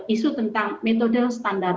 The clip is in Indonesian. isu tentang metode standar